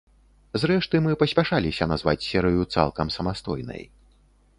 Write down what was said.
Зрэшты, мы паспяшаліся назваць серыю цалкам самастойнай.